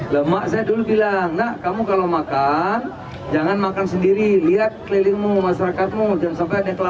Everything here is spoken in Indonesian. lemak saya dulu bilang nak kamu kalau makan jangan makan sendiri lihat kelilingmu masyarakatmu jangan sampai ada yang kelapa